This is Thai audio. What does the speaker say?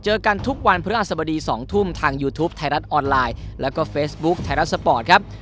เจอกันทุกวันพฤหัสบดี๒ทุ่มทางยูทูปไทยรัฐออนไลน์แล้วก็เฟซบุ๊คไทยรัฐสปอร์ตครับ